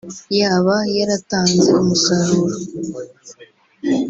yaba yaratanze umusaruro